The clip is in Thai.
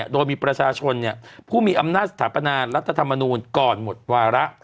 โดยมีประชาชนผู้มีอำนาจสถาปนารัฐธรรมนูลก่อนหมดวาระ